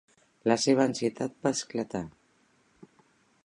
La seva ansietat va esclatar.